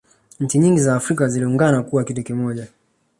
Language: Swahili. nchi nyingin za afrika ziliungana na kuwa kitu kimoja